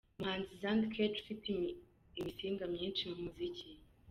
Umuhanzi Zand Kech ufite imisinga myinsi mu muziki.